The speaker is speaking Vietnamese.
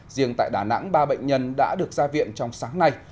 riêng tại đà nẵng ba bệnh nhân đã được ra viện trong sáng nay